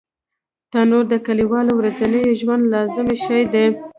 تنور د کلیوالو ورځني ژوند لازم شی دی